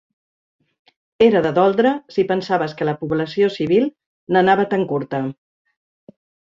Era de doldre si pensaves que la població civil n'anava tan curta.